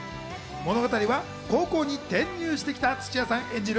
物語は高校に転入してきた土屋さん演じる